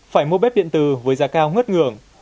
phải mua bếp điện tử với giá cao ngất ngường